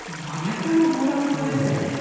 真逆のグラフですよね。